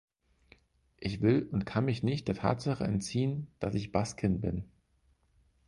Ich will und kann mich nicht der Tatsache entziehen, dass ich Baskin bin.